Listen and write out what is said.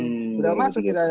sudah masuk kita